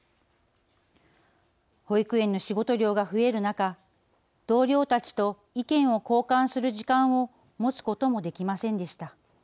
保育園の仕事量が増える中、同僚たちと意見を交換する時間を持つこともできませんでした。